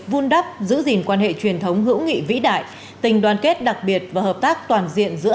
vun đắp giữ gìn quan hệ truyền thống hữu nghị vĩ đại tình đoàn kết đặc biệt và hợp tác toàn diện giữa